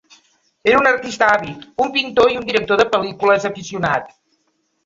Era un artista àvid, un pintor i un director de pel·lícules aficionat.